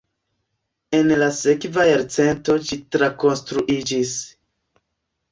En la sekva jarcento ĝi trakonstruiĝis.